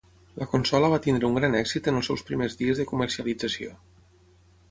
La consola va tenir un gran èxit en els seus primers dies de comercialització.